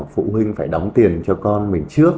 phụ huynh phải đóng tiền cho con mình trước